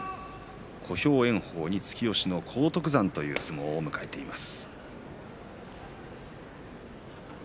小兵炎鵬に突き押しの荒篤山という相撲を迎えています。